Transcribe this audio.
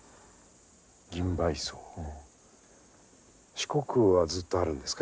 四国はずっとあるんですか？